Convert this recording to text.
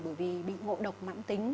bởi vì bị ngộ độc mãn tính